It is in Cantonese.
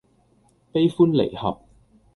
悲歡離合